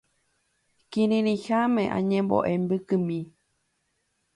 Kirirĩháme añembo'e mbykymi.